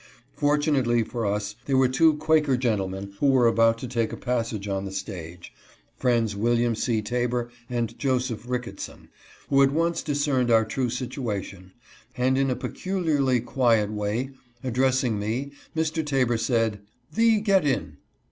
Fortunately for us, there were two Quaker gentlemen who were about to take pas sage on the stage, — Friends William C. Taber and Joseph Ricketson, — who at once discerned our true situation, and in a peculiarly quiet way, addressing me, Mr. Taber said :" Thee get in."